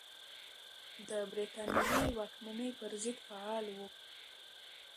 د بریتانوي واکمنۍ پر ضد فعال و.